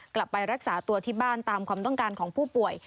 กลับไปรักษาตัวที่บ้านตามความต้องการของผู้ป่วย